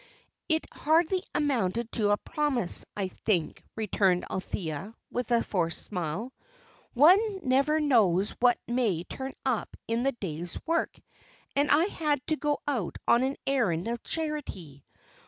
"It hardly amounted to a promise, I think," returned Althea, with a forced smile. "One never knows what may turn up in the day's work, and I had to go out on an errand of charity.